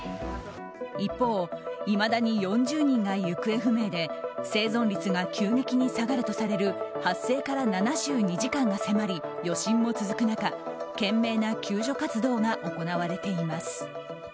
一方、いまだに４０人が行方不明で生存率が急激に下がるとされる発生から７２時間が迫り余震も続く中賢明な救助活動が行われています。